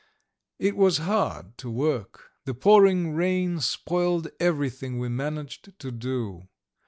It was hard to work; the pouring rain spoiled everything we managed to do.